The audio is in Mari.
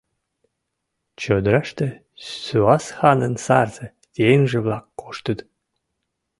Чодыраште суас ханын сарзе еҥже-влак коштыт...